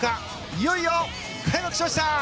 いよいよ開幕しました！